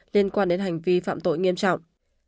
liên quan đến hành vi phạm tội nghiêm trọng